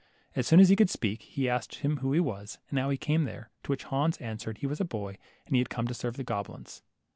As soon as he could speak, he asked him who he was, and how he came there ; to which Hans answered he was a boy, and had come to serve the goblins.